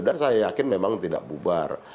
dan saya yakin memang tidak bubar